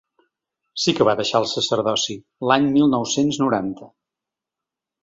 Sí que va deixar el sacerdoci, l’any mil nou-cents noranta.